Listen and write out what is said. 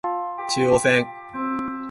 中央線